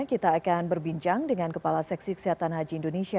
kita akan berbincang dengan kepala seksi kesehatan haji indonesia